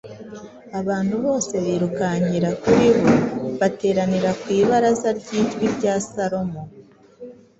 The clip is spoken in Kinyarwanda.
abantu bose birukankira kuri bo, bateranira ku ibaraza ryitwa irya Salomo,